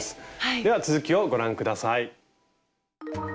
では続きをご覧下さい。